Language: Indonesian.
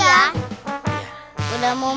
yang terakhirnya hansi